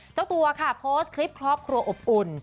เจ้าตัวค่ะโพสต์คลิปครอบครัวอบอุ่น